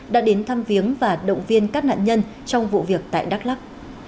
đã đến thăm viếng và động viên các nạn nhân trong vụ việc tại đắk lắc